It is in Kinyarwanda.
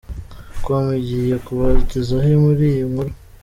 com igiye kubagezaho muri iyi nkuru.